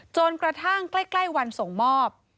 จนกระทั่งใกล้วันส่งมอบ